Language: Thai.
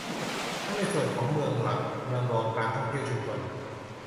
ทั้งในส่วนของเมืองหลัก เมืองรอง การท่องเที่ยวชุมชน